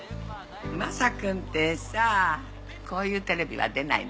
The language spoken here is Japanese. まさ君ってさこういうテレビは出ないの？